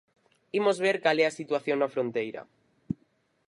Imos ver cal e a situación na fronteira.